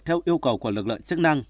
theo yêu cầu của lực lượng chức năng